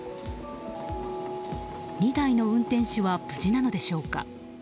２台の運転手は無事なのでしょうか。